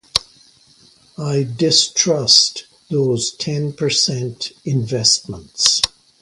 I distrusted those ten per cent investments.